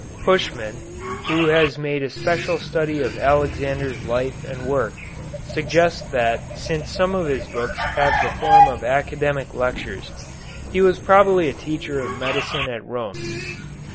Puschmann, who has made a special study of Alexander's life and work, suggests that since some of his books have the form of academic lectures he was probably a teacher of medicine at Rome.